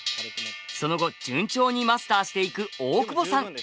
その後順調にマスターしていく大久保さん！